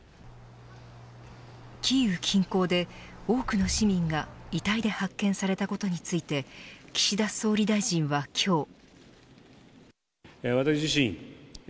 キーウ近郊で多くの市民が遺体で発見されたことについて岸田総理大臣は今日。